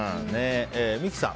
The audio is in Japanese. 三木さん。